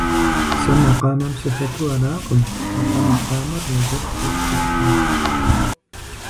Сэ макъамэм сыхэту аракъым, атӀэ макъамэр езыр сэ сщыщ мэхъу.